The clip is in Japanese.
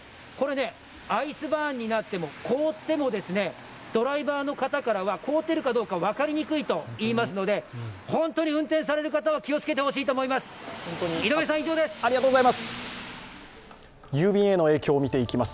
アイスバーンになっても、凍ってもドライバーの方からは凍っているかどうか分かりにくいといいますので本当に運転される方は気を付けてほしいと思います。